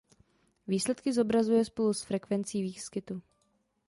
Výsledky zobrazuje spolu s frekvencí výskytu.